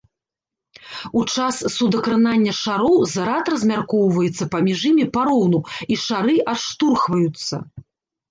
У час судакранання шароў зарад размяркоўваецца паміж імі пароўну, і шары адштурхваюцца.